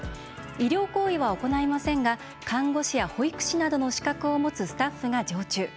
医療行為は行いませんが看護師や保育士などの資格を持つスタッフが常駐。